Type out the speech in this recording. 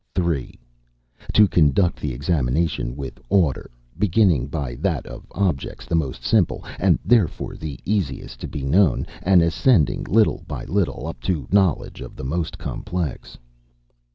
"3. To conduct the examination with order, beginning by that of objects the most simple, and therefore the easiest to be known, and ascending little by little up to knowledge of the most complex.